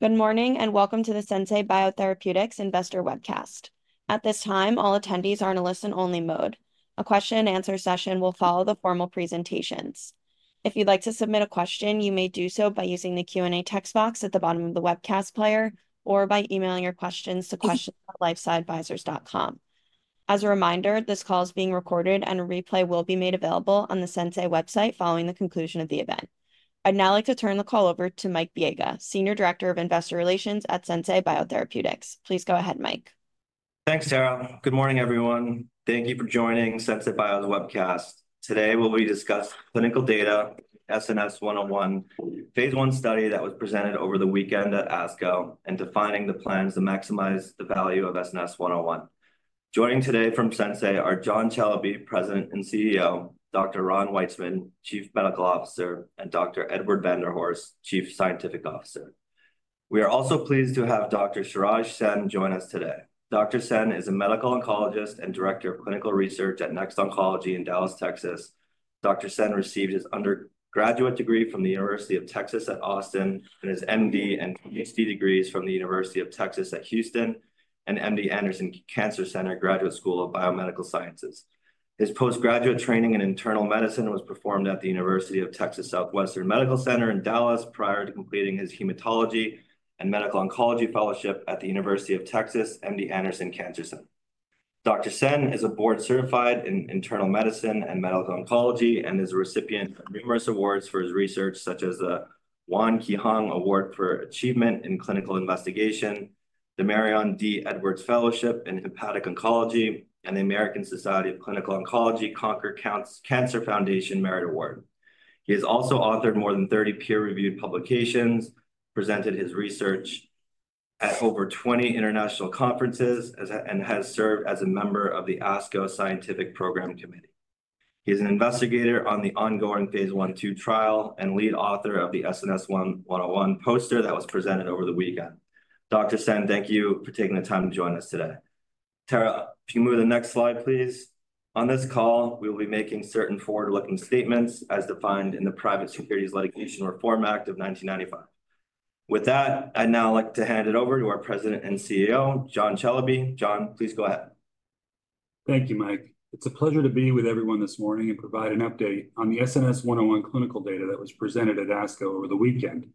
Good morning, and welcome to the Sensei Biotherapeutics investor webcast. At this time, all attendees are in a listen-only mode. A question and answer session will follow the formal presentations. If you'd like to submit a question, you may do so by using the Q&A text box at the bottom of the webcast player or by emailing your questions to questions@lifesciadvisors.com. As a reminder, this call is being recorded, and a replay will be made available on the Sensei website following the conclusion of the event. I'd now like to turn the call over to Michael Veiga, Senior Director of Investor Relations at Sensei Biotherapeutics. Please go ahead, Mike. Thanks, Tara. Good morning, everyone. Thank you for joining Sensei Bio's webcast. Today, we'll be discussing clinical data, SNS-101, phase I study that was presented over the weekend at ASCO and defining the plans to maximize the value of SNS-101. Joining today from Sensei are John Celebi, President and CEO, Dr. Ron Weitzman, Chief Medical Officer, and Dr. Edward van der Horst, Chief Scientific Officer. We are also pleased to have Dr. Shiraj Sen join us today. Dr. Sen is a Medical Oncologist and Director of Clinical Research at Next Oncology in Dallas, Texas. Dr. Sen received his undergraduate degree from the University of Texas at Austin, and his MD and PhD degrees from the University of Texas at Houston, and MD Anderson Cancer Center Graduate School of Biomedical Sciences. His postgraduate training in internal medicine was performed at the University of Texas Southwestern Medical Center in Dallas prior to completing his Hematology and Medical Oncology fellowship at the University of Texas MD Anderson Cancer Center. Dr. Sen is board-certified in internal medicine and medical oncology and is a recipient of numerous awards for his research, such as the Waun Ki Hong Award for Achievement in Clinical Investigation, the Mary Ann D. Edwards Fellowship in Hepatic Oncology, and the American Society of Clinical Oncology Conquer Cancer Foundation Merit Award. He has also authored more than 30 peer-reviewed publications, presented his research at over 20 international conferences, and has served as a member of the ASCO Scientific Program Committee. He is an investigator on the ongoing phase I/II trial and lead author of the SNS-101 poster that was presented over the weekend. Sen, thank you for taking the time to join us today. Tara, if you can move to the next slide, please. On this call, we will be making certain forward-looking statements as defined in the Private Securities Litigation Reform Act of 1995. With that, I'd now like to hand it over to our President and CEO, John Celebi. John, please go ahead. Thank you, Mike. It's a pleasure to be with everyone this morning and provide an update on the SNS-101 clinical data that was presented at ASCO over the weekend.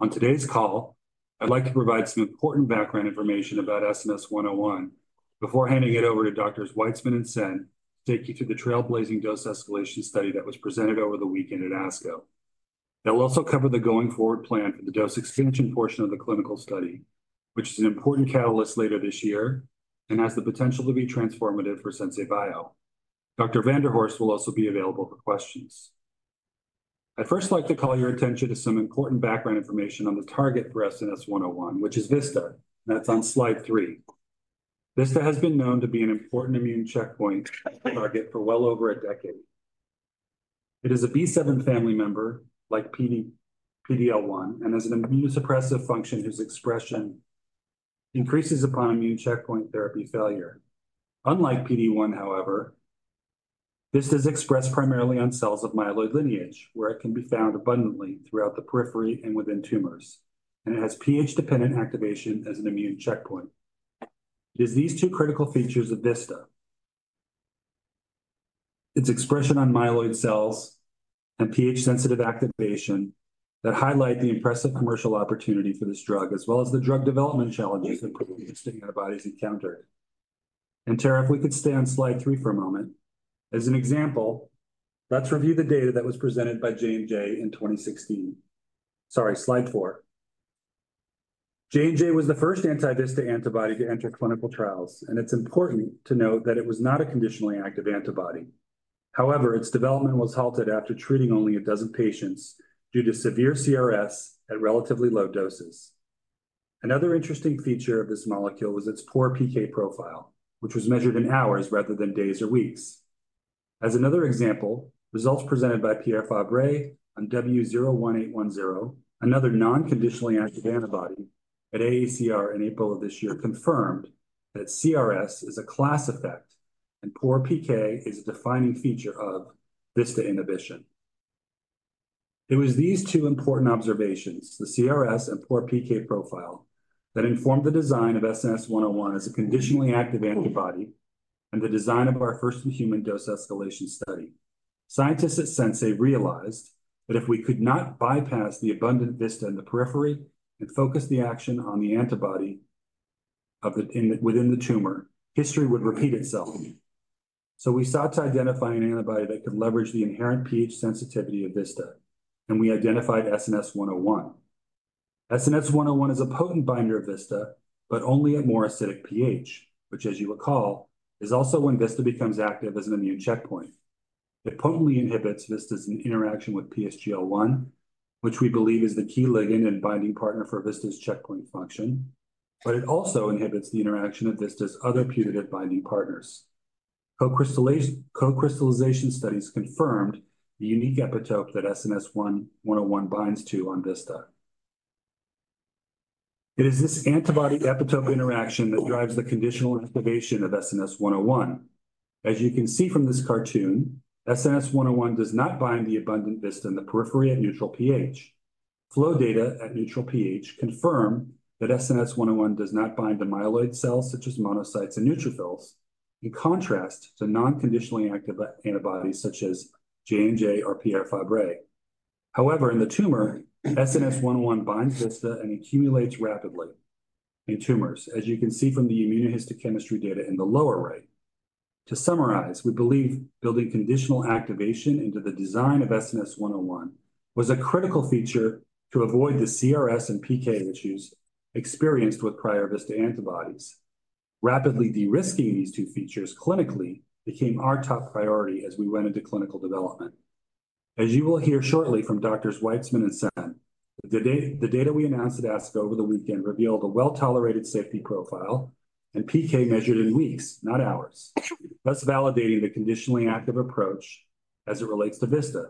On today's call, I'd like to provide some important background information about SNS-101 before handing it over to Doctors Weitzman and Sen to take you through the trailblazing dose escalation study that was presented over the weekend at ASCO. They'll also cover the going-forward plan for the dose expansion portion of the clinical study, which is an important catalyst later this year and has the potential to be transformative for Sensei Bio. Dr. van der Horst will also be available for questions. I'd first like to call your attention to some important background information on the target for SNS-101, which is VISTA. That's on slide three. VISTA has been known to be an important immune checkpoint target for well over a decade. It is a B7 family member, like PD-1, PD-L1, and has an immune suppressive function whose expression increases upon immune checkpoint therapy failure. Unlike PD-1, however, VISTA is expressed primarily on cells of myeloid lineage, where it can be found abundantly throughout the periphery and within tumors, and it has pH-dependent activation as an immune checkpoint. It is these two critical features of VISTA, its expression on myeloid cells and pH-sensitive activation, that highlight the impressive commercial opportunity for this drug, as well as the drug development challenges that previous antibodies encountered. And, Tara, if we could stay on slide 3 for a moment. As an example, let's review the data that was presented by J&J in 2016. Sorry, slide 4. J&J was the first anti-VISTA antibody to enter clinical trials, and it's important to note that it was not a conditionally active antibody. However, its development was halted after treating only a dozen patients due to severe CRS at relatively low doses. Another interesting feature of this molecule was its poor PK profile, which was measured in hours rather than days or weeks. As another example, results presented by Pierre Fabre on W0180, another non-conditionally active antibody at AACR in April of this year, confirmed that CRS is a class effect, and poor PK is a defining feature of VISTA inhibition. It was these two important observations, the CRS and poor PK profile, that informed the design of SNS-101 as a conditionally active antibody and the design of our first-in-human dose escalation study. Scientists at Sensei realized that if we could not bypass the abundant VISTA in the periphery and focus the action on the antibody within the tumor, history would repeat itself. So we sought to identify an antibody that could leverage the inherent pH sensitivity of VISTA, and we identified SNS-101. SNS-101 is a potent binder of VISTA, but only at more acidic pH, which, as you recall, is also when VISTA becomes active as an immune checkpoint. It potently inhibits VISTA's interaction with PSGL-1, which we believe is the key ligand and binding partner for VISTA's checkpoint function, but it also inhibits the interaction of VISTA's other putative binding partners. Co-crystallization studies confirmed the unique epitope that SNS-101 binds to on VISTA. It is this antibody epitope interaction that drives the conditional activation of SNS-101. As you can see from this cartoon, SNS-101 does not bind the abundant VISTA in the periphery at neutral pH. Flow data at neutral pH confirm that SNS-101 does not bind to myeloid cells, such as monocytes and neutrophils, in contrast to non-conditionally active antibodies such as J&J or Pierre Fabre. However, in the tumor, SNS-101 binds VISTA and accumulates rapidly in tumors, as you can see from the immunohistochemistry data in the lower right. To summarize, we believe building conditional activation into the design of SNS-101 was a critical feature to avoid the CRS and PK issues experienced with prior VISTA antibodies. Rapidly de-risking these two features clinically became our top priority as we went into clinical development. As you will hear shortly from Doctors Weitzman and Sen, the data, the data we announced at ASCO over the weekend revealed a well-tolerated safety profile and PK measured in weeks, not hours, thus validating the conditionally active approach as it relates to VISTA.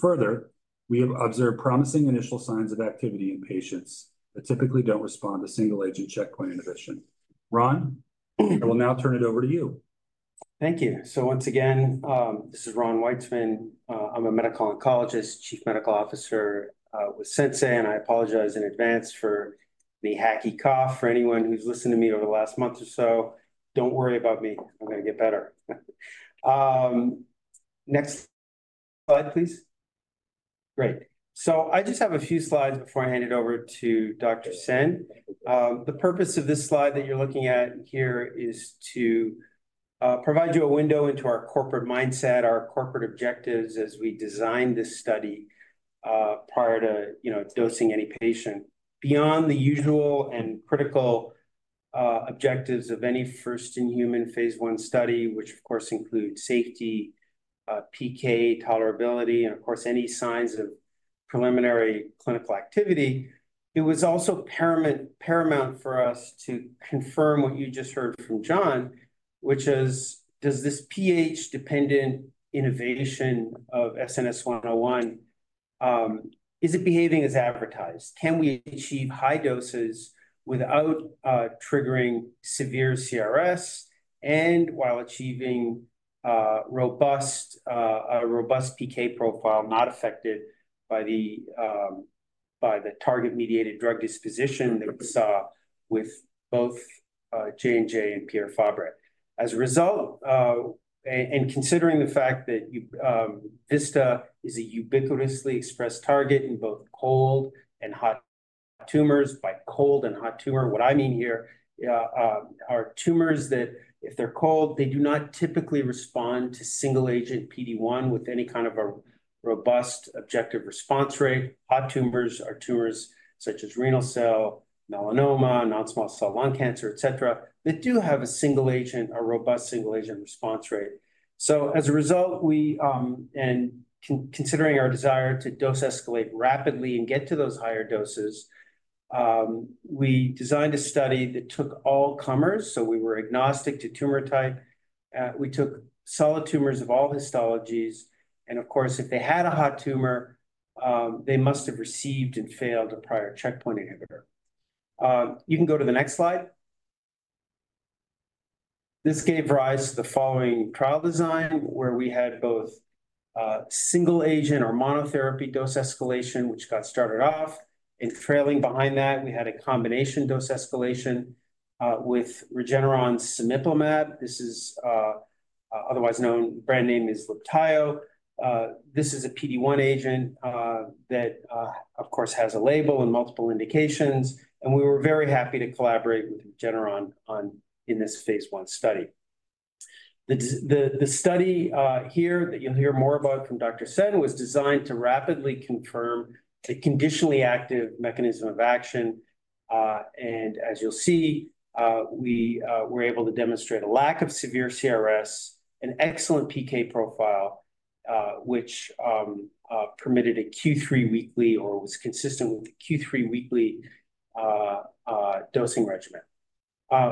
Further, we have observed promising initial signs of activity in patients that typically don't respond to single-agent checkpoint inhibition. Ron, I will now turn it over to you. Thank you. So once again, this is Ron Weitzman. I'm a medical oncologist, Chief Medical Officer, with Sensei, and I apologize in advance for the hacking cough. For anyone who's listened to me over the last month or so, don't worry about me. I'm gonna get better. Next slide, please. Great. So I just have a few slides before I hand it over to Dr. Sen. The purpose of this slide that you're looking at here is to provide you a window into our corporate mindset, our corporate objectives as we design this study, prior to, you know, dosing any patient. Beyond the usual and critical objectives of any first-in-human phase I study, which of course include safety, PK tolerability, and of course, any signs of preliminary clinical activity, it was also paramount, paramount for us to confirm what you just heard from John, which is, does this pH-dependent innovation of SNS-101, is it behaving as advertised? Can we achieve high doses without triggering severe CRS and while achieving, robust, a robust PK profile not affected by the, by the target-mediated drug disposition that we saw with both J&J and Pierre Fabre? As a result, and considering the fact that VISTA is a ubiquitously expressed target in both cold and hot tumors... By cold and hot tumor, what I mean here, are tumors that if they're cold, they do not typically respond to single-agent PD-1 with any kind of a robust objective response rate. Hot tumors are tumors such as renal cell, melanoma, non-small cell lung cancer, et cetera, that do have a single-agent, a robust single-agent response rate. So as a result, we, considering our desire to dose escalate rapidly and get to those higher doses, we designed a study that took all comers, so we were agnostic to tumor type. We took solid tumors of all histologies, and of course, if they had a hot tumor, they must have received and failed a prior checkpoint inhibitor. You can go to the next slide. This gave rise to the following trial design, where we had both single-agent or monotherapy dose escalation, which got started off, and trailing behind that, we had a combination dose escalation with Regeneron cemiplimab. This is otherwise known, brand name is Libtayo. This is a PD-1 agent that of course has a label and multiple indications, and we were very happy to collaborate with Regeneron on in this phase I study. The study here that you'll hear more about from Dr. Sen was designed to rapidly confirm the conditionally active mechanism of action. And as you'll see, we were able to demonstrate a lack of severe CRS, an excellent PK profile which permitted a Q3 weekly or was consistent with the Q3 weekly dosing regimen.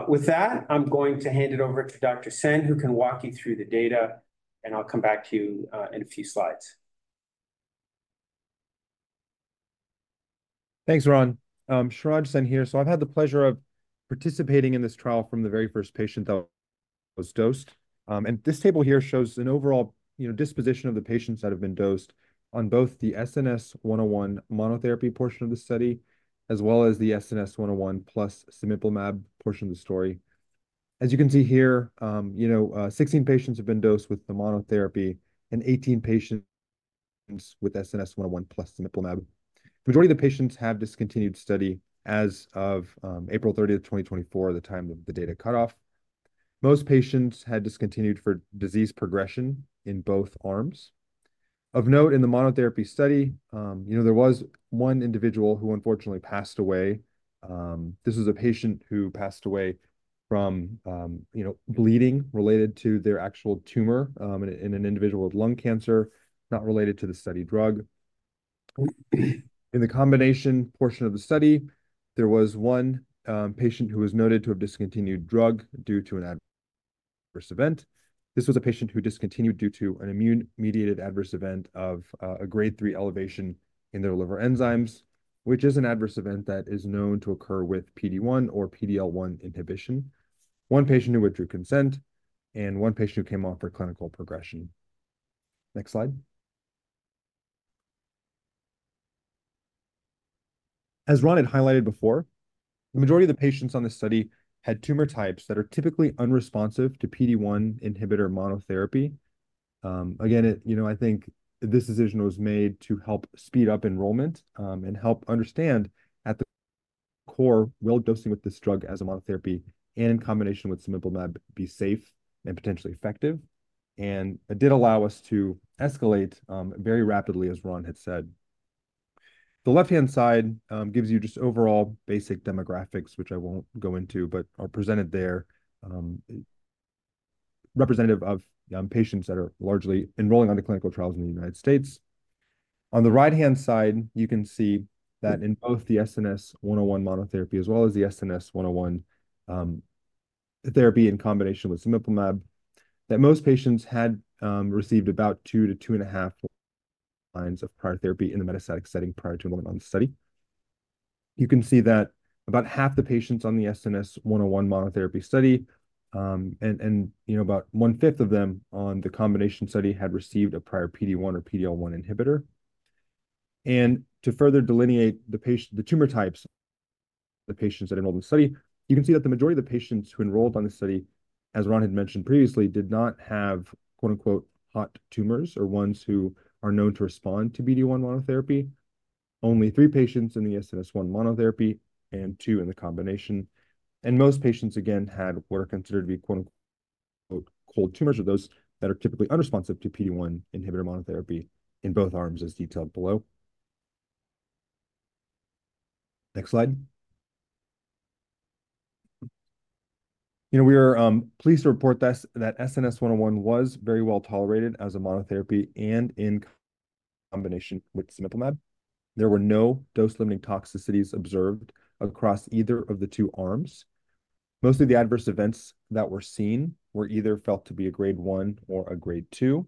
With that, I'm going to hand it over to Dr. Sen, who can walk you through the data, and I'll come back to you in a few slides. Thanks, Ron. Shiraj Sen here. So I've had the pleasure of participating in this trial from the very first patient that was dosed. And this table here shows an overall, you know, disposition of the patients that have been dosed on both the SNS-101 monotherapy portion of the study, as well as the SNS-101 plus cemiplimab portion of the study. As you can see here, you know, 16 patients have been dosed with the monotherapy, and 18 patients with SNS-101 plus cemiplimab. Majority of the patients have discontinued study as of April 30, 2024, the time of the data cutoff. Most patients had discontinued for disease progression in both arms. Of note, in the monotherapy study, you know, there was one individual who unfortunately passed away. This is a patient who passed away from, you know, bleeding related to their actual tumor, in an individual with lung cancer, not related to the study drug. In the combination portion of the study, there was one patient who was noted to have discontinued drug due to an adverse event. This was a patient who discontinued due to an immune-mediated adverse event of a Grade 3 elevation in their liver enzymes, which is an adverse event that is known to occur with PD-1 or PD-L1 inhibition. One patient who withdrew consent and one patient who came off for clinical progression. Next slide. As Ron had highlighted before, the majority of the patients on this study had tumor types that are typically unresponsive to PD-1 inhibitor monotherapy. Again, you know, I think this decision was made to help speed up enrollment, and help understand at the core, well, dosing with this drug as a monotherapy in combination with cemiplimab be safe and potentially effective, and it did allow us to escalate, very rapidly, as Ron had said. The left-hand side gives you just overall basic demographics, which I won't go into, but are presented there, representative of, patients that are largely enrolling onto clinical trials in the United States. On the right-hand side, you can see that in both the SNS-101 monotherapy, as well as the SNS-101 therapy in combination with cemiplimab, that most patients had received about 2 to 2.5 lines of prior therapy in the metastatic setting prior to enrollment on the study. You can see that about half the patients on the SNS-101 monotherapy study, and you know, about one-fifth of them on the combination study had received a prior PD-1 or PD-L1 inhibitor. And to further delineate the tumor types, the patients that enrolled in the study, you can see that the majority of the patients who enrolled on the study, as Ron had mentioned previously, did not have, quote, unquote, “hot tumors” or ones who are known to respond to PD-1 monotherapy. Only three patients in the SNS-101 monotherapy and two in the combination, and most patients again, had what are considered to be, quote, unquote, “cold tumors” or those that are typically unresponsive to PD-1 inhibitor monotherapy in both arms, as detailed below. Next slide. You know, we are, pleased to report this, that SNS-101 was very well tolerated as a monotherapy and in combination with cemiplimab. There were no dose-limiting toxicities observed across either of the 2 arms. Most of the adverse events that were seen were either felt to be a grade 1 or a grade 2.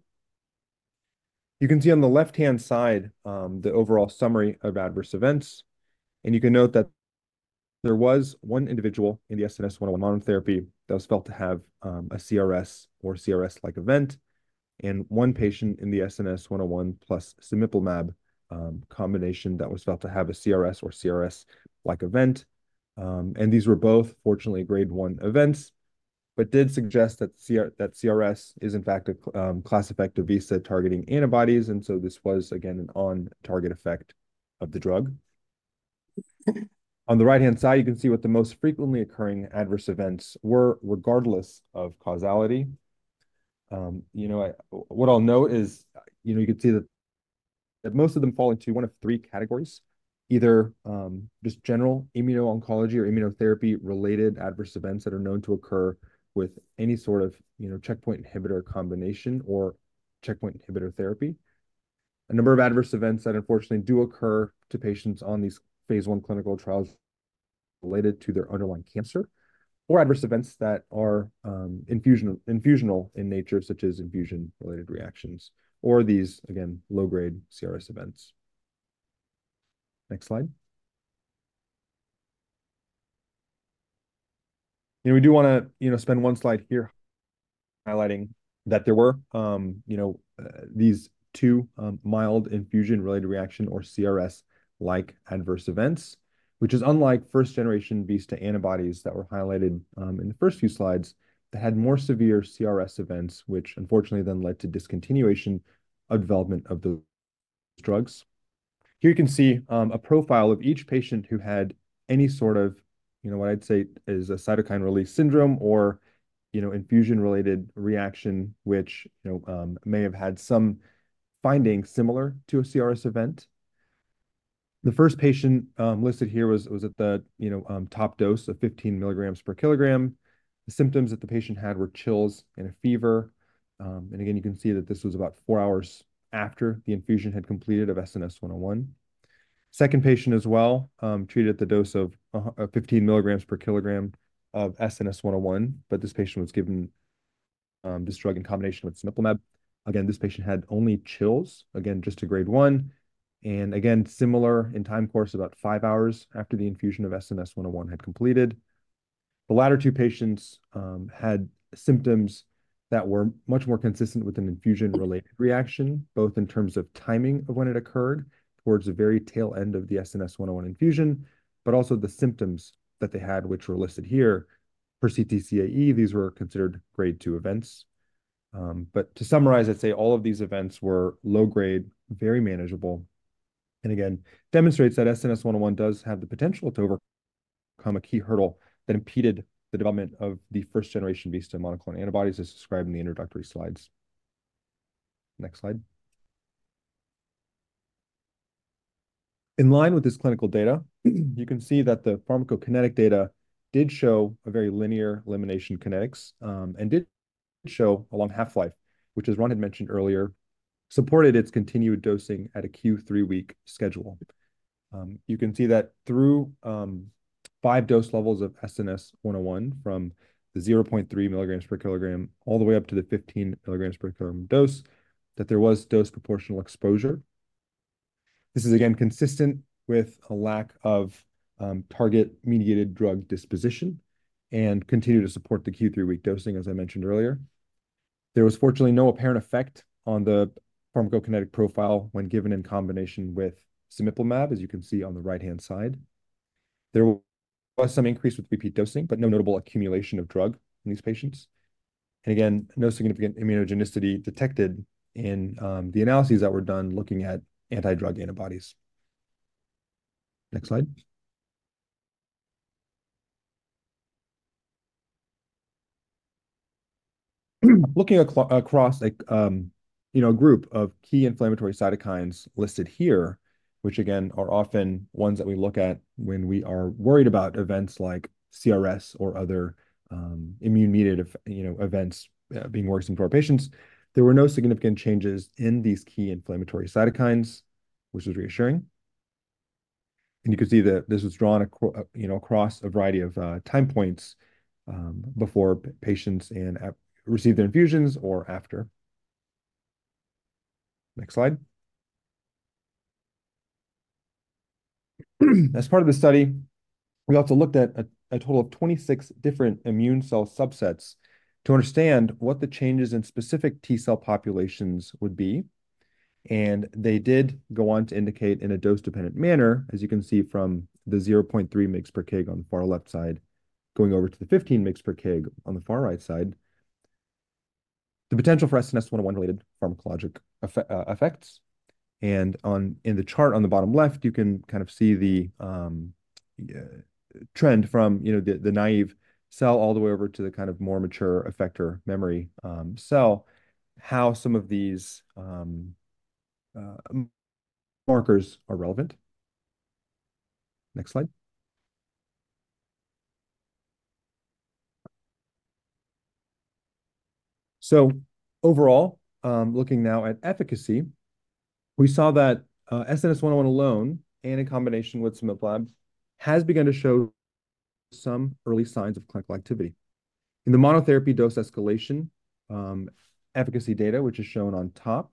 You can see on the left-hand side, the overall summary of adverse events, and you can note that there was 1 individual in the SNS-101 monotherapy that was felt to have, a CRS or CRS-like event, and 1 patient in the SNS-101 plus cemiplimab, combination that was felt to have a CRS or CRS-like event. And these were both fortunately grade 1 events, but did suggest that that CRS is, in fact, a class effect of VISTA targeting antibodies, and so this was again, an on-target effect of the drug. On the right-hand side, you can see what the most frequently occurring adverse events were, regardless of causality. You know, what I'll note is, you know, you can see that most of them fall into one of three categories. Either just general immuno-oncology or immunotherapy-related adverse events that are known to occur with any sort of, you know, checkpoint inhibitor combination or checkpoint inhibitor therapy. A number of adverse events that unfortunately do occur to patients on these phase 1 clinical trials related to their underlying cancer, or adverse events that are infusional in nature, such as infusion-related reactions or these, again, low-grade CRS events. Next slide. We do want to, you know, spend one slide here highlighting that there were, you know, these two mild infusion-related reaction or CRS-like adverse events, which is unlike first-generation VISTA antibodies that were highlighted in the first few slides that had more severe CRS events, which unfortunately then led to discontinuation of development of the drugs. Here you can see a profile of each patient who had any sort of, you know, what I'd say is a cytokine release syndrome or, you know, infusion-related reaction, which, you know, may have had some findings similar to a CRS event. The first patient listed here was at the, you know, top dose of 15 milligrams per kilogram. The symptoms that the patient had were chills and a fever. And again, you can see that this was about four hours after the infusion had completed of SNS-101. Second patient as well, treated at the dose of 15 milligrams per kilogram of SNS-101, but this patient was given this drug in combination with cemiplimab. Again, this patient had only chills. Again, just a grade one, and again, similar in time course, about five hours after the infusion of SNS-101 had completed. The latter two patients had symptoms that were much more consistent with an infusion-related reaction, both in terms of timing of when it occurred, towards the very tail end of the SNS-101 infusion, but also the symptoms that they had, which were listed here. For CTCAE, these were considered grade two events. But to summarize, I'd say all of these events were low grade, very manageable, and again, demonstrates that SNS-101 does have the potential to overcome a key hurdle that impeded the development of the first generation VISTA monoclonal antibodies, as described in the introductory slides. Next slide. In line with this clinical data, you can see that the pharmacokinetic data did show a very linear elimination kinetics, and did show a long half-life, which, as Ron had mentioned earlier, supported its continued dosing at a Q3-week schedule. You can see that through 5 dose levels of SNS-101 from the 0.3 milligrams per kilogram, all the way up to the 15 milligrams per kilogram dose, that there was dose proportional exposure. This is again consistent with a lack of target-mediated drug disposition and continue to support the Q3-week dosing as I mentioned earlier. There was fortunately no apparent effect on the pharmacokinetic profile when given in combination with cemiplimab, as you can see on the right-hand side. There was some increase with repeat dosing, but no notable accumulation of drug in these patients. And again, no significant immunogenicity detected in the analyses that were done looking at anti-drug antibodies. Next slide. Looking across, like, you know, a group of key inflammatory cytokines listed here, which again, are often ones that we look at when we are worried about events like CRS or other, immune-mediated, you know, events, being worrisome to our patients. There were no significant changes in these key inflammatory cytokines, which was reassuring. And you can see that this was drawn across a variety of time points, before patients received their infusions or after. Next slide. As part of the study, we also looked at a total of 26 different immune cell subsets to understand what the changes in specific T cell populations would be. They did go on to indicate in a dose-dependent manner, as you can see from the 0.3 mgs per kg on the far left side, going over to the 15 mgs per kg on the far right side, the potential for SNS-101-related pharmacologic effect, effects. In the chart on the bottom left, you can kind of see the trend from, you know, the naive cell all the way over to the kind of more mature effector memory cell, how some of these markers are relevant. Next slide. So overall, looking now at efficacy, we saw that, SNS-101 alone and in combination with cemiplimab has begun to show some early signs of clinical activity. In the monotherapy dose escalation, efficacy data, which is shown on top,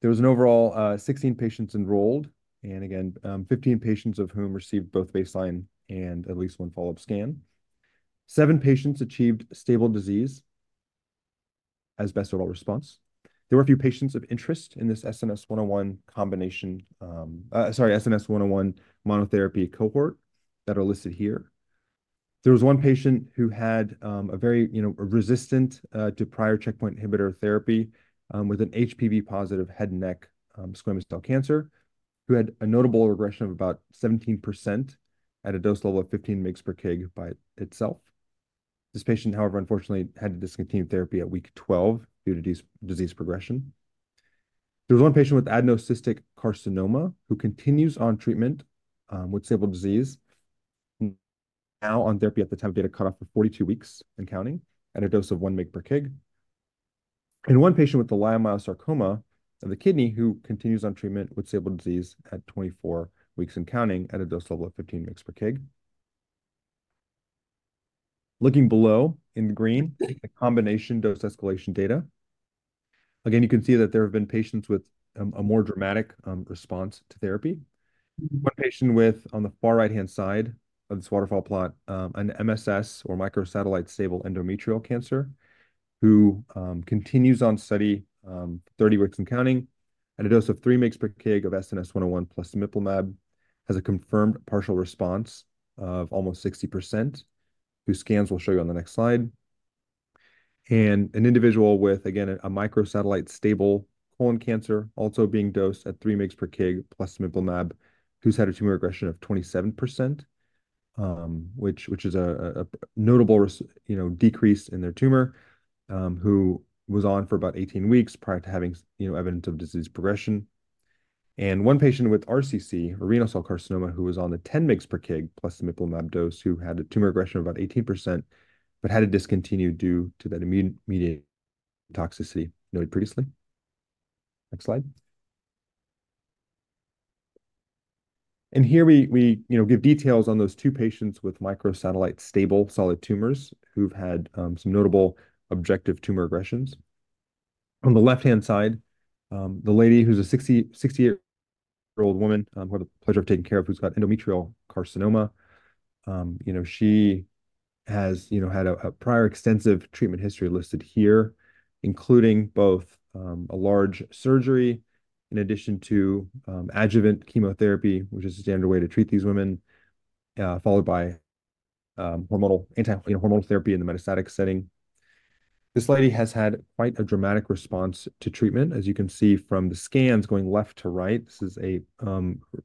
there was an overall, 16 patients enrolled, and again, 15 patients of whom received both baseline and at least one follow-up scan. Seven patients achieved stable disease as best overall response. There were a few patients of interest in this SNS-101 combination, sorry, SNS-101 monotherapy cohort that are listed here. There was one patient who had, a very, you know, resistant, to prior checkpoint inhibitor therapy, with an HPV-positive head and neck, squamous cell cancer, who had a notable regression of about 17% at a dose level of 15 mg/kg by itself. This patient, however, unfortunately, had to discontinue therapy at week 12 due to disease progression. There was one patient with adenoid cystic carcinoma who continues on treatment with stable disease, now on therapy at the time of data cut off for 42 weeks and counting at a dose of 1 mg per kg. One patient with a leiomyosarcoma of the kidney, who continues on treatment with stable disease at 24 weeks and counting at a dose level of 15 mg per kg. Looking below in the green, the combination dose escalation data. Again, you can see that there have been patients with a more dramatic response to therapy. One patient with, on the far right-hand side of this waterfall plot, an MSS or microsatellite stable endometrial cancer, who continues on study, 30 weeks and counting at a dose of 3 mg per kg of SNS-101, plus cemiplimab, has a confirmed partial response of almost 60%, whose scans we'll show you on the next slide. And an individual with, again, a microsatellite stable colon cancer, also being dosed at 3 mg per kg plus cemiplimab, who's had a tumor regression of 27%, which is a notable, you know, decrease in their tumor, who was on for about 18 weeks prior to having, you know, evidence of disease progression. And one patient with RCC, renal cell carcinoma, who was on the 10 mg per kg, plus cemiplimab dose, who had a tumor regression of about 18%, but had to discontinue due to that immune-mediated toxicity noted previously. Next slide. And here we you know give details on those two patients with microsatellite stable solid tumors who've had some notable objective tumor regressions. On the left-hand side, the lady who's a 60-year-old woman, who I had the pleasure of taking care of, who's got endometrial carcinoma. You know, she has you know had a prior extensive treatment history listed here, including both a large surgery in addition to adjuvant chemotherapy, which is the standard way to treat these women, followed by hormonal anti-hormonal therapy in the metastatic setting. This lady has had quite a dramatic response to treatment. As you can see from the scans going left to right, this is a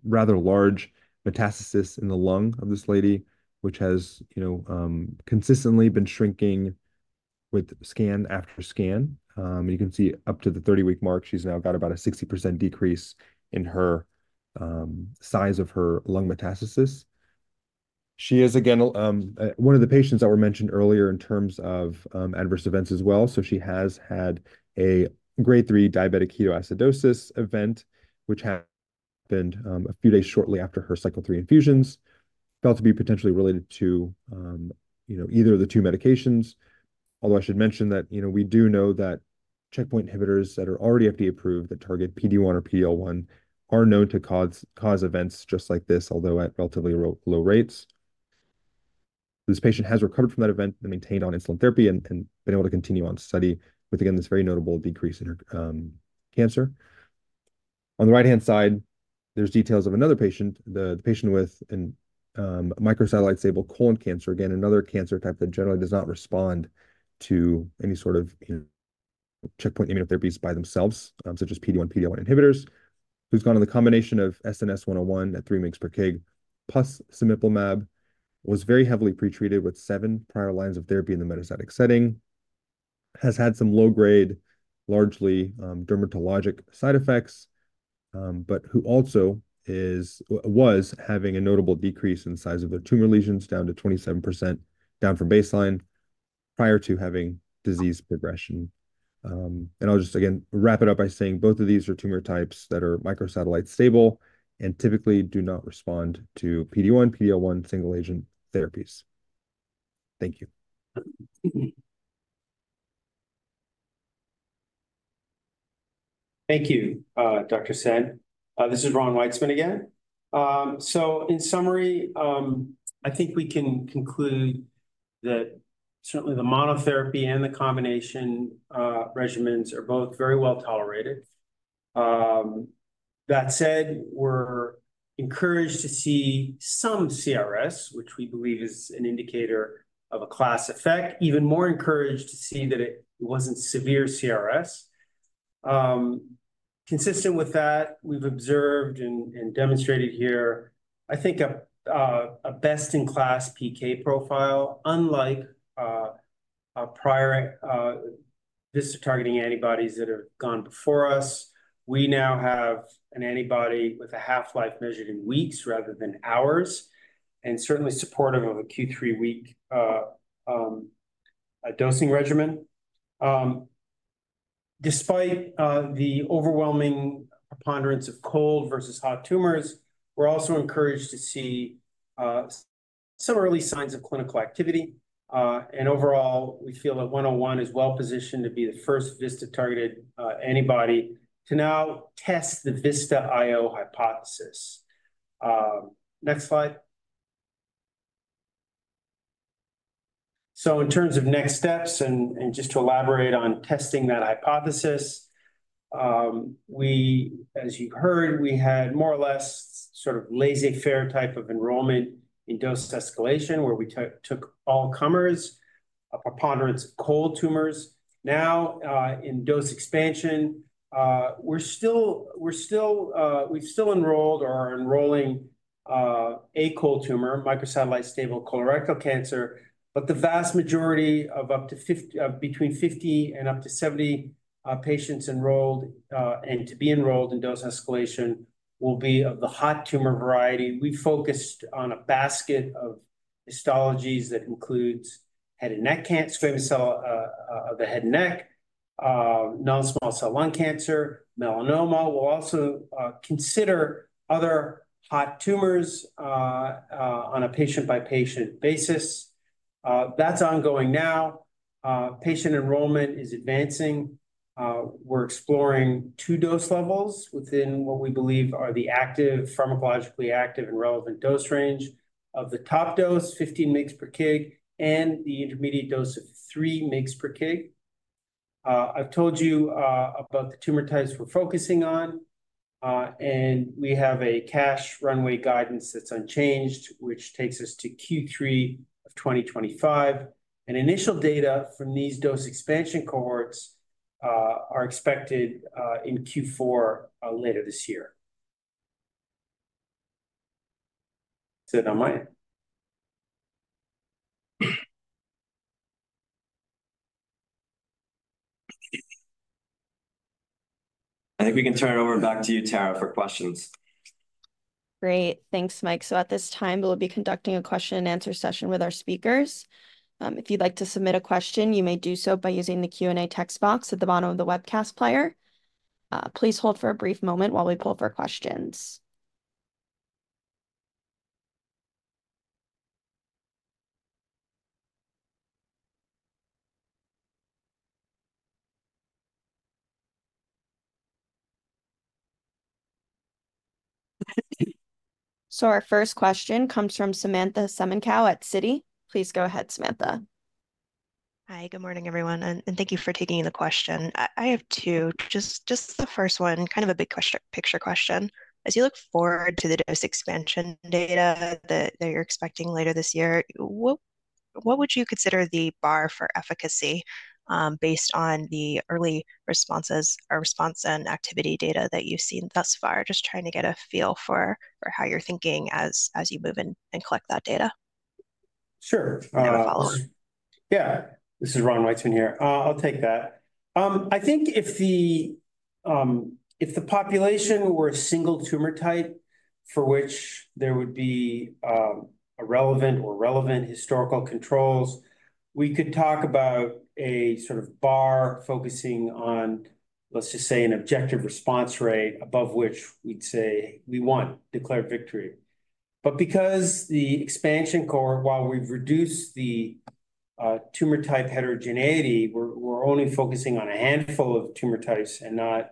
rather large metastasis in the lung of this lady, which has, you know, consistently been shrinking with scan after scan. You can see up to the 30-week mark, she's now got about a 60% decrease in her size of her lung metastasis. She is, again, one of the patients that were mentioned earlier in terms of adverse events as well. So she has had a grade 3 diabetic ketoacidosis event, and a few days shortly after her cycle 3 infusions, felt to be potentially related to, you know, either of the two medications. Although I should mention that, you know, we do know that checkpoint inhibitors that are already FDA-approved, that target PD-1 or PD-L1, are known to cause events just like this, although at relatively low rates. This patient has recovered from that event and maintained on insulin therapy and been able to continue on study with, again, this very notable decrease in her cancer. On the right-hand side, there's details of another patient, the patient with an microsatellite stable colon cancer. Again, another cancer type that generally does not respond to any sort of, you know, checkpoint immunotherapies by themselves, such as PD-1, PD-L1 inhibitors, who's gone on the combination of SNS-101 at 3 mg per kg, plus cemiplimab. Was very heavily pretreated with 7 prior lines of therapy in the metastatic setting. Has had some low-grade, largely, dermatologic side effects, but who also was having a notable decrease in the size of their tumor lesions, down to 27%, down from baseline, prior to having disease progression. And I'll just again wrap it up by saying both of these are tumor types that are microsatellite stable and typically do not respond to PD-1, PD-L1 single-agent therapies. Thank you. Thank you, Dr. Sen. This is Ron Weitzman again. So in summary, I think we can conclude that certainly the monotherapy and the combination regimens are both very well tolerated. That said, we're encouraged to see some CRS, which we believe is an indicator of a class effect. Even more encouraged to see that it wasn't severe CRS. Consistent with that, we've observed and demonstrated here, I think, a best-in-class PK profile. Unlike a prior VISTA targeting antibodies that have gone before us, we now have an antibody with a half-life measured in weeks rather than hours, and certainly supportive of a Q3-week dosing regimen. Despite the overwhelming preponderance of cold versus hot tumors, we're also encouraged to see some early signs of clinical activity. And overall, we feel that 101 is well positioned to be the first VISTA-targeted antibody to now test the VISTA IO hypothesis. Next slide. So in terms of next steps, just to elaborate on testing that hypothesis, as you heard, we had more or less sort of laissez-faire type of enrollment in dose escalation, where we took all comers, a preponderance of cold tumors. Now, in dose expansion, we've still enrolled or are enrolling a cold tumor, microsatellite stable colorectal cancer. But the vast majority of up to 50, between 50 and up to 70 patients enrolled and to be enrolled in dose escalation, will be of the hot tumor variety. We focused on a basket of histologies that includes head and neck cancer, squamous cell of the head and neck, non-small cell lung cancer, melanoma. We'll also consider other hot tumors on a patient-by-patient basis. That's ongoing now. Patient enrollment is advancing. We're exploring two dose levels within what we believe are the active, pharmacologically active and relevant dose range of the top dose, 15 mg per kg, and the intermediate dose of 3 mg per kg. I've told you about the tumor types we're focusing on, and we have a cash runway guidance that's unchanged, which takes us to Q3 of 2025. Initial data from these dose expansion cohorts are expected in Q4 later this year. Is that on my...? I think we can turn it over, back to you, Tara, for questions. Great. Thanks, Mike. So at this time, we'll be conducting a question-and-answer session with our speakers. If you'd like to submit a question, you may do so by using the Q&A text box at the bottom of the webcast player. Please hold for a brief moment while we pull for questions. So our first question comes from Samantha Semenkow at Citi. Please go ahead, Samantha. Hi, good morning, everyone, and thank you for taking the question. I have two. Just the first one, kind of a big picture question: As you look forward to the dose expansion data that you're expecting later this year, what would you consider the bar for efficacy, based on the early responses or response and activity data that you've seen thus far? Just trying to get a feel for how you're thinking as you move and collect that data. Sure, uh- I'll follow. Yeah. This is Ron Weitzman here. I'll take that. I think if the, if the population were a single tumor type for which there would be irrelevant or relevant historical controls. We could talk about a sort of bar focusing on, let's just say, an objective response rate, above which we'd say we want declared victory. But because the expansion core, while we've reduced the tumor type heterogeneity, we're only focusing on a handful of tumor types and not,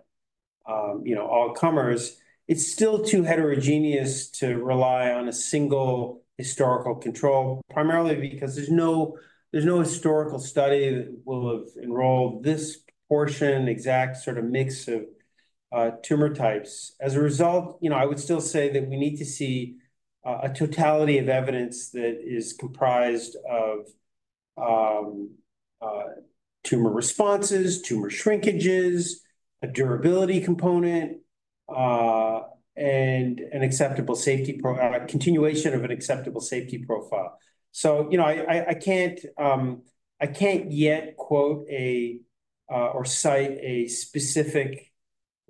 you know, all comers. It's still too heterogeneous to rely on a single historical control, primarily because there's no, there's no historical study that will have enrolled this portion, exact sort of mix of tumor types. As a result, you know, I would still say that we need to see a totality of evidence that is comprised of tumor responses, tumor shrinkages, a durability component, and an acceptable safety continuation of an acceptable safety profile. So, you know, I can't yet quote or cite a specific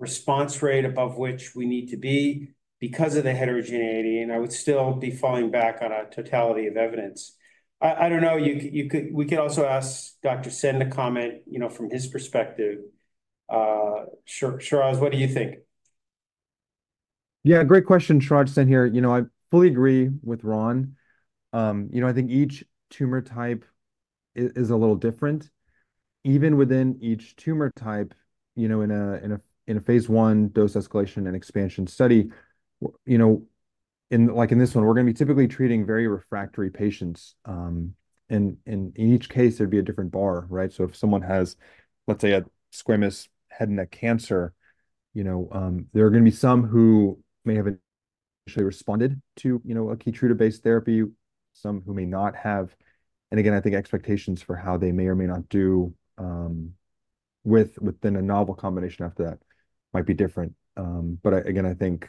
response rate above which we need to be because of the heterogeneity, and I would still be falling back on a totality of evidence. I don't know. We could also ask Dr. Sen to comment, you know, from his perspective. Shiraj, what do you think? Yeah, great question. Shiraj Sen here. You know, I fully agree with Ron. You know, I think each tumor type is a little different. Even within each tumor type, you know, in a phase I dose escalation and expansion study, you know, in—like in this one, we're gonna be typically treating very refractory patients. And in each case, there'd be a different bar, right? So if someone has, let's say, a squamous head and neck cancer, you know, there are gonna be some who may have initially responded to, you know, a Keytruda-based therapy, some who may not have. And again, I think expectations for how they may or may not do, within a novel combination after that might be different. But again, I think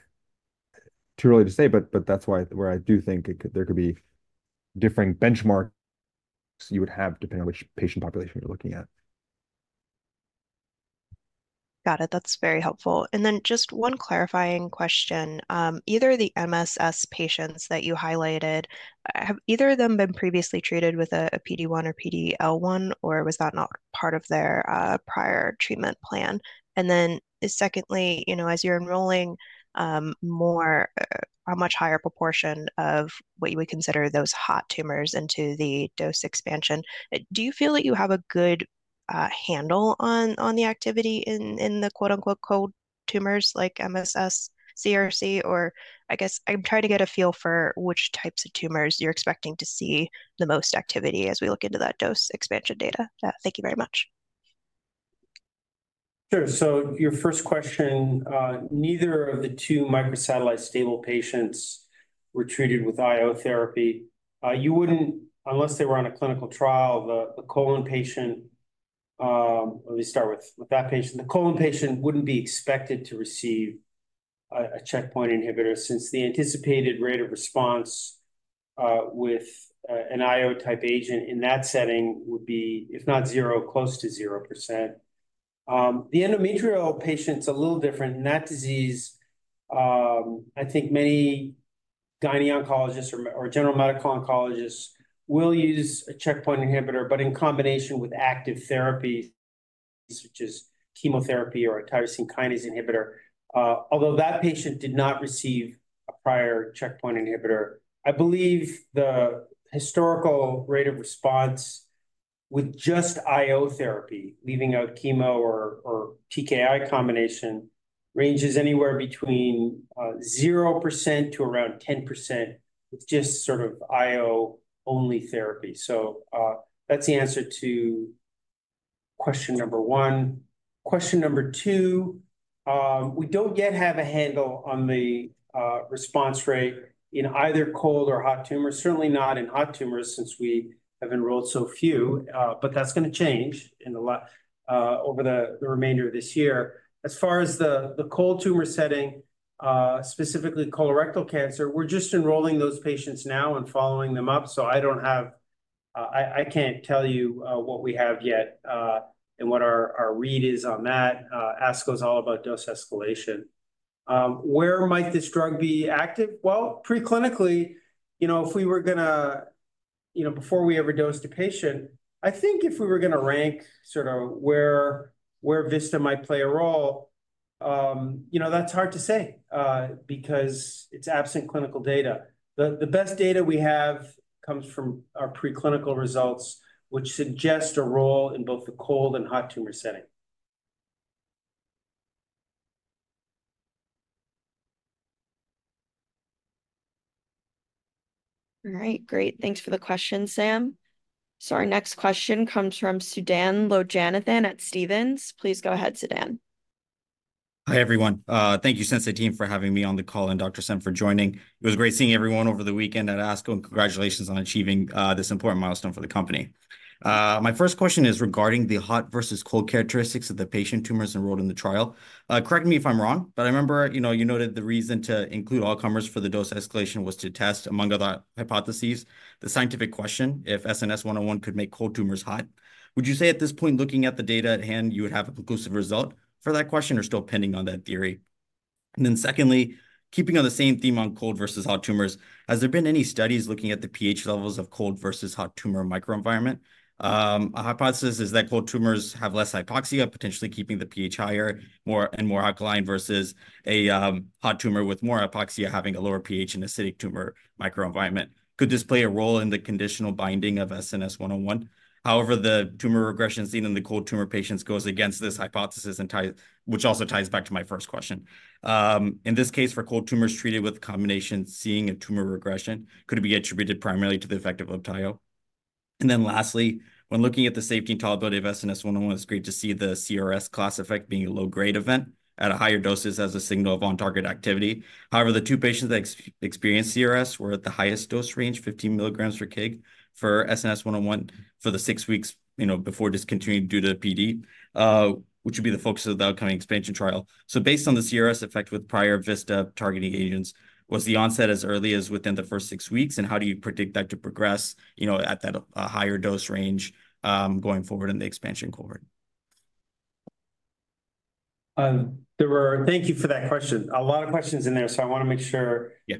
too early to say, but that's why, where I do think it could, there could be different benchmark you would have, depending on which patient population you're looking at. Got it. That's very helpful. And then just one clarifying question. Either the MSS patients that you highlighted, have either of them been previously treated with a PD-1 or PD-L1, or was that not part of their prior treatment plan? And then, secondly, you know, as you're enrolling more, a much higher proportion of what you would consider those hot tumors into the dose expansion, do you feel that you have a good handle on the activity in the "cold" tumors like MSS, CRC? Or I guess I'm trying to get a feel for which types of tumors you're expecting to see the most activity as we look into that dose expansion data. Yeah, thank you very much. Sure. So your first question, neither of the two microsatellite stable patients were treated with IO therapy. You wouldn't... unless they were on a clinical trial, the colon patient, let me start with that patient. The colon patient wouldn't be expected to receive a checkpoint inhibitor, since the anticipated rate of response with an IO type agent in that setting would be, if not 0%, close to 0%. The endometrial patient's a little different. In that disease, I think many gyne oncologists or general medical oncologists will use a checkpoint inhibitor, but in combination with active therapy, such as chemotherapy or a tyrosine kinase inhibitor. Although that patient did not receive a prior checkpoint inhibitor, I believe the historical rate of response with just IO therapy, leaving out chemo or TKI combination, ranges anywhere between 0% to around 10%. It's just sort of IO-only therapy. So that's the answer to question number 1. Question number 2, we don't yet have a handle on the response rate in either cold or hot tumors, certainly not in hot tumors, since we have enrolled so few. But that's gonna change over the remainder of this year. As far as the cold tumor setting, specifically colorectal cancer, we're just enrolling those patients now and following them up, so I don't have I can't tell you what we have yet, and what our read is on that. Ask us all about dose escalation. Where might this drug be active? Well, preclinically, you know, if we were gonna, you know, before we ever dose the patient, I think if we were gonna rank sort of where, where VISTA might play a role, you know, that's hard to say, because it's absent clinical data. The best data we have comes from our preclinical results, which suggest a role in both the cold and hot tumor setting. All right. Great. Thanks for the question, Sam. So our next question comes from Sudan Loganathan at Stephens. Please go ahead, Sudan. Hi, everyone. Thank you, Sensei team, for having me on the call, and Dr. Sen for joining. It was great seeing everyone over the weekend at ASCO, and congratulations on achieving this important milestone for the company. My first question is regarding the hot versus cold characteristics of the patient tumors enrolled in the trial. Correct me if I'm wrong, but I remember, you know, you noted the reason to include all comers for the dose escalation was to test, among other hypotheses, the scientific question, if SNS-101 could make cold tumors hot. Would you say at this point, looking at the data at hand, you would have a conclusive result for that question, or still pending on that theory? And then secondly, keeping on the same theme on cold versus hot tumors, has there been any studies looking at the pH levels of cold versus hot tumor microenvironment? A hypothesis is that cold tumors have less hypoxia, potentially keeping the pH higher, more and more alkaline, versus a hot tumor with more hypoxia having a lower pH and acidic tumor microenvironment. Could this play a role in the conditional binding of SNS-101? However, the tumor regression seen in the cold tumor patients goes against this hypothesis and ties, which also ties back to my first question. In this case, for cold tumors treated with combination, seeing a tumor regression, could it be attributed primarily to the effect of Libtayo? And then lastly, when looking at the safety and tolerability of SNS-101, it's great to see the CRS class effect being a low-grade event at higher doses as a signal of on-target activity. However, the two patients that experienced CRS were at the highest dose range, 15 milligrams per kg for SNS-101 for the six weeks, you know, before discontinuing due to PD, which would be the focus of the upcoming expansion trial. So based on the CRS effect with prior VISTA targeting agents, was the onset as early as within the first six weeks? And how do you predict that to progress, you know, at that higher dose range going forward in the expansion cohort? Thank you for that question. A lot of questions in there, so I wanna make sure- Yeah.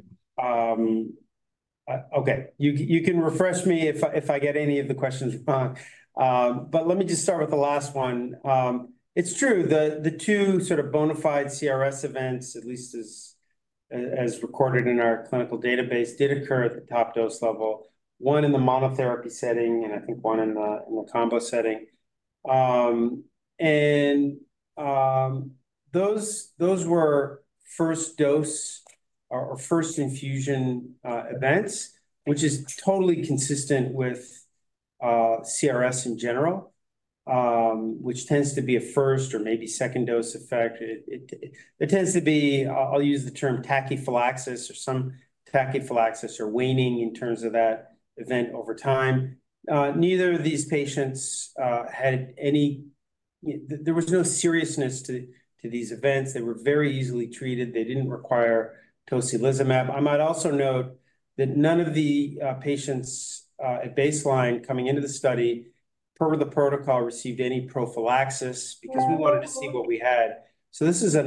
Okay, you can refresh me if I get any of the questions wrong. But let me just start with the last one. It's true, the two sort of bona fide CRS events, at least as recorded in our clinical database, did occur at the top dose level, one in the monotherapy setting, and I think one in the combo setting. Those were first dose or first infusion events, which is totally consistent with CRS in general, which tends to be a first or maybe second dose effect. It tends to be, I'll use the term tachyphylaxis, or some tachyphylaxis or waning in terms of that event over time. Neither of these patients had any-- there was no seriousness to these events. They were very easily treated. They didn't require tocilizumab. I might also note that none of the patients at baseline coming into the study, per the protocol, received any prophylaxis because we wanted to see what we had. So these are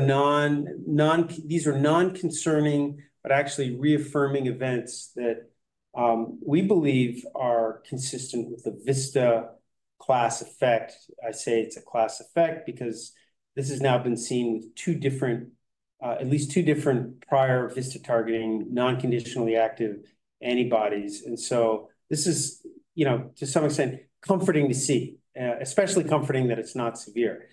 non-concerning, but actually reaffirming events that we believe are consistent with the VISTA class effect. I say it's a class effect because this has now been seen with two different, at least two different prior VISTA-targeting, non-conditionally active antibodies. And so this is, you know, to some extent, comforting to see, especially comforting that it's not severe.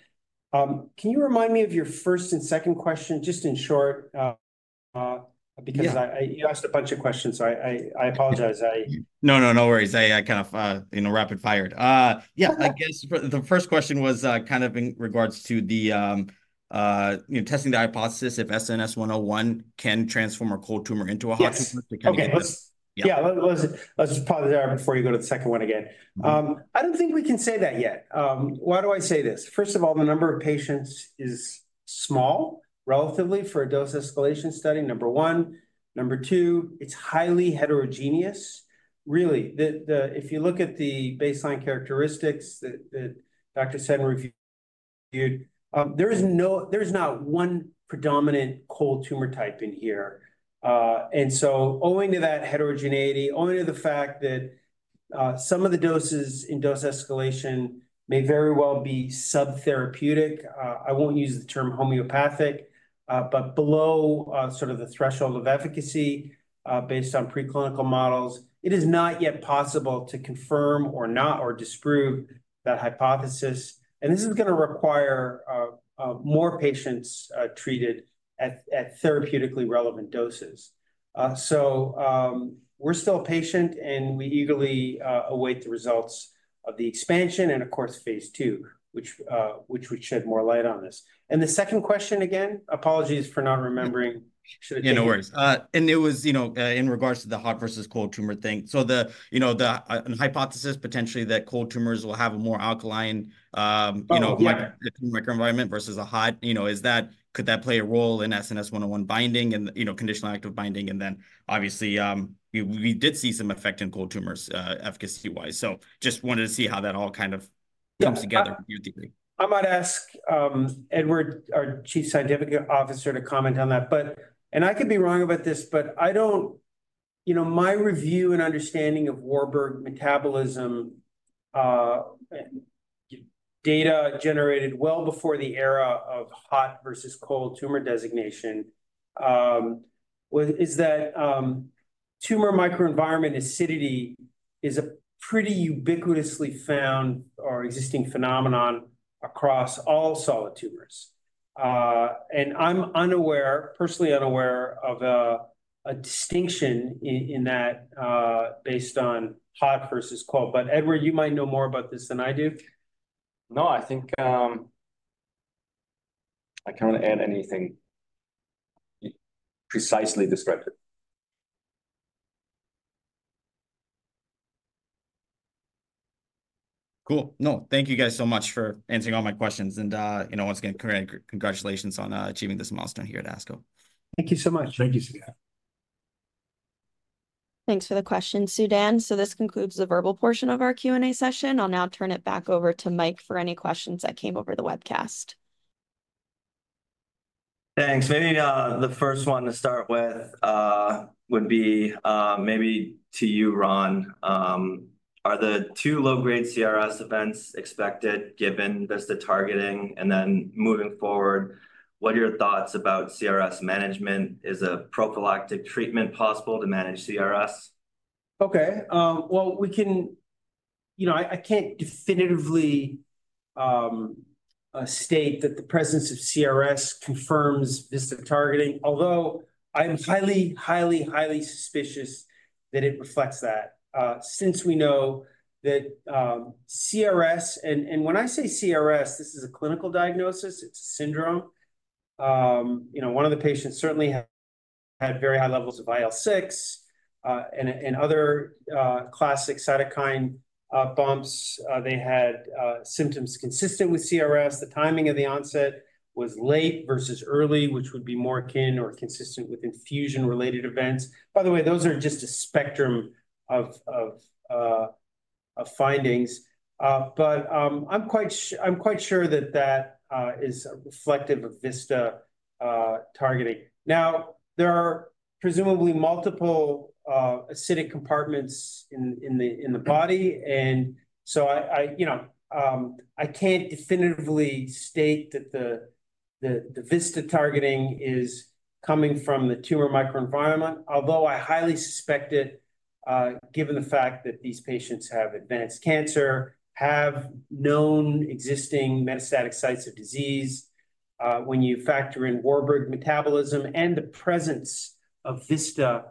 Can you remind me of your first and second question, just in short. Yeah. because you asked a bunch of questions, so I apologize. I- No, no, no worries. I kind of, you know, rapid fired. Yeah, I guess for the first question was kind of in regards to the, you know, testing the hypothesis if SNS-101 can transform a cold tumor into a hot tumor- Yes. Okay. Yeah, let- Yeah. Let's just pause it there before you go to the second one again. Mm-hmm. I don't think we can say that yet. Why do I say this? First of all, the number of patients is small, relatively, for a dose-escalation study, number one. Number two, it's highly heterogeneous. If you look at the baseline characteristics that Dr. Sen reviewed, there is not one predominant cold tumor type in here. And so owing to that heterogeneity, owing to the fact that some of the doses in dose escalation may very well be subtherapeutic, I won't use the term homeopathic, but below sort of the threshold of efficacy, based on preclinical models, it is not yet possible to confirm or not or disprove that hypothesis. And this is gonna require more patients treated at therapeutically relevant doses. So, we're still patient, and we eagerly await the results of the expansion and, of course, phase two, which we shed more light on this. And the second question again? Apologies for not remembering. Should've- Yeah, no worries. And it was, you know, in regards to the hot versus cold tumor thing. So the, you know, hypothesis, potentially, that cold tumors will have a more alkaline, you know- Oh, yeah... microenvironment versus a hot, you know, is that, could that play a role in SNS-101 binding and, you know, conditional active binding? And then, obviously, we did see some effect in cold tumors, efficacy-wise. So just wanted to see how that all kind of- Yeah comes together, uniquely. I might ask, Edward, our Chief Scientific Officer, to comment on that. But, and I could be wrong about this, but I don't... You know, my review and understanding of Warburg metabolism, and data generated well before the era of hot versus cold tumor designation, is that, tumor microenvironment acidity is a pretty ubiquitously found or existing phenomenon across all solid tumors. And I'm unaware, personally unaware, of a distinction in that, based on hot versus cold. But, Edward, you might know more about this than I do. No, I think, I can't add anything. You precisely described it. Cool. No, thank you guys so much for answering all my questions. You know, once again, congratulations on achieving this milestone here at ASCO. Thank you so much. Thank you, Sudan. Thanks for the question, Sudan. This concludes the verbal portion of our Q&A session. I'll now turn it back over to Mike for any questions that came over the webcast. Thanks. Maybe, the first one to start with, would be, maybe to you, Ron. Are the two low-grade CRS events expected, given this the targeting? And then moving forward, what are your thoughts about CRS management? Is a prophylactic treatment possible to manage CRS? Okay, well, you know, I can't definitively state that the presence of CRS confirms VISTA targeting, although I'm highly, highly, highly suspicious that it reflects that. Since we know that, CRS, and when I say CRS, this is a clinical diagnosis. It's a syndrome. You know, one of the patients certainly had very high levels of IL-6, and other classic cytokine bumps. They had symptoms consistent with CRS. The timing of the onset was late versus early, which would be more akin or consistent with infusion-related events. By the way, those are just a spectrum of findings. But, I'm quite sure that that is reflective of VISTA targeting. Now, there are presumably multiple acidic compartments in the body, and so I you know I can't definitively state that the VISTA targeting is coming from the tumor microenvironment. Although I highly suspect it, given the fact that these patients have advanced cancer, have known existing metastatic sites of disease. When you factor in Warburg metabolism and the presence of VISTA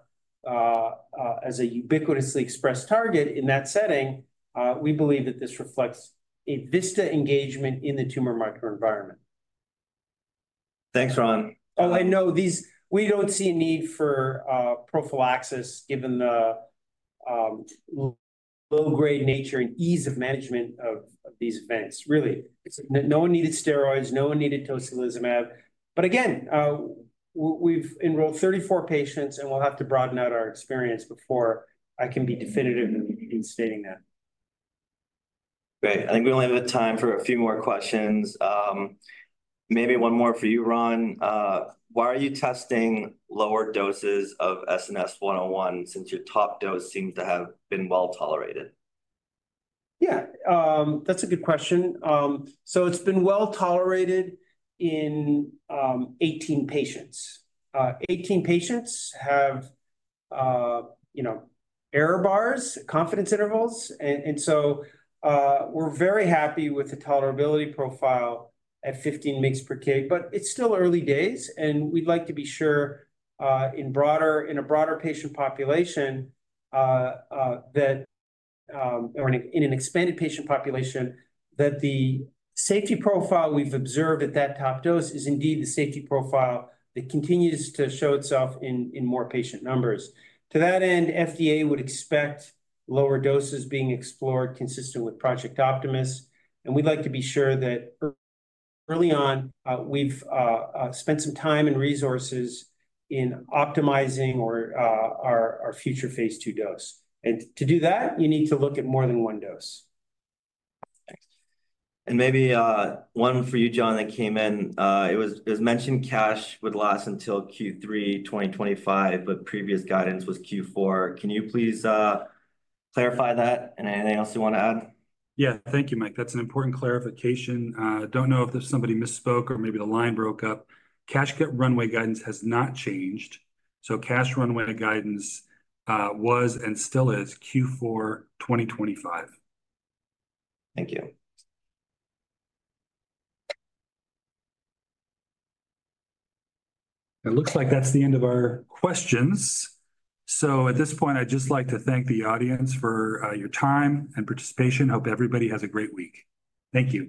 as a ubiquitously expressed target in that setting, we believe that this reflects a VISTA engagement in the tumor microenvironment. Thanks, Ron. Oh, I know. We don't see a need for prophylaxis, given the low-grade nature and ease of management of these events really. No one needed steroids, no one needed tocilizumab. But again, we've enrolled 34 patients, and we'll have to broaden out our experience before I can be definitive in stating that. Great. I think we only have time for a few more questions. Maybe one more for you, Ron. Why are you testing lower doses of SNS-101, since your top dose seems to have been well tolerated? Yeah, that's a good question. So it's been well tolerated in 18 patients. 18 patients have, you know, error bars, confidence intervals, and so we're very happy with the tolerability profile at 15 mg per kg. But it's still early days, and we'd like to be sure in a broader patient population, or in an expanded patient population, that the safety profile we've observed at that top dose is indeed the safety profile that continues to show itself in more patient numbers. To that end, FDA would expect lower doses being explored consistent with Project Optimus, and we'd like to be sure that early on, we've spent some time and resources in optimizing our future phase 2 dose. To do that, you need to look at more than one dose. Thanks. And maybe one for you, John, that came in. It was mentioned cash would last until Q3 2025, but previous guidance was Q4. Can you please clarify that? And anything else you wanna add? Yeah. Thank you, Mike. That's an important clarification. Don't know if there's somebody misspoke or maybe the line broke up. Cash runway guidance has not changed, so cash runway guidance was and still is Q4 2025. Thank you. It looks like that's the end of our questions. So at this point, I'd just like to thank the audience for your time and participation. Hope everybody has a great week. Thank you.